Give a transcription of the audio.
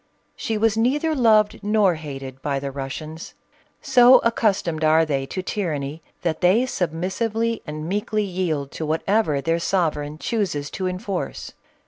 She was neither loved nor hated by the Russians. So accustomed are they to tyranny, that they submissively and meekly yield to whatever their sovereign chooses to enforce.